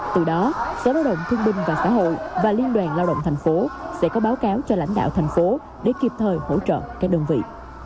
từ đó sở lao động thương binh và xã hội và liên đoàn lao động thành phố sẽ có báo cáo cho lãnh đạo thành phố để kịp thời hỗ trợ các đơn vị